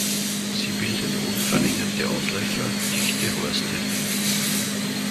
Sie bildet ohne verlängerte Ausläufer dichte Horste.